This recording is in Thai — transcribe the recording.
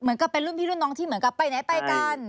ก็เป็นรุ่นพี่รุ่นน้องที่เหมือนกับไปไหนไปกัน